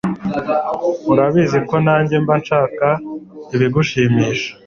urabizi ko nanjye mba nshaka ibigushimisha